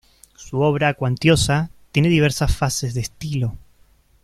Su obra cuantiosa, tiene diversas fases de estilo.